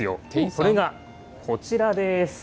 それがこちらです。